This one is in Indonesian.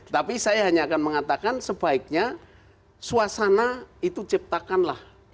tapi saya hanya akan mengatakan sebaiknya suasana itu ciptakanlah